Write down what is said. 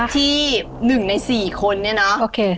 ที่หนึ่งในสี่คนเนี่ยเนอะ